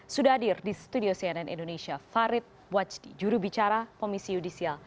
sudah hadir di studio cnn indonesia farid wajdi jurubicara komisi yudisial